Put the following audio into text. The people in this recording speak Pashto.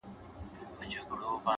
والله ه چي په تا پسي مي سترگي وځي;